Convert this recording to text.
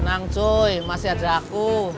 tenang cuy masih ada aku